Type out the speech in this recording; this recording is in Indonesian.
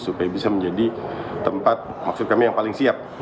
supaya bisa menjadi tempat maksud kami yang paling siap